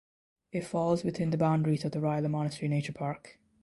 It falls within the boundaries of the Rila Monastery Nature Park.